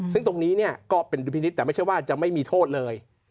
ซึ่งตรงนี้ก็เป็นดุลพินิษฐ์แต่ไม่ใช่ว่าจะไม่มีโทษเลย